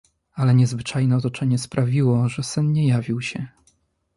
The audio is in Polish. Ale niezwyczajne otoczenie sprawiło, że sen nie jawił się.